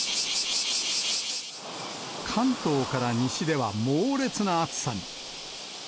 関東から西では猛烈な暑さに。